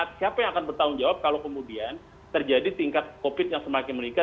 siapa yang akan bertanggung jawab kalau kemudian terjadi tingkat covid yang semakin meningkat